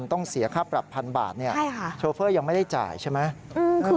ต้องเสียค่าปรับ๑๐๐บาทโชเฟอร์ยังไม่ได้จ่ายใช่ไหม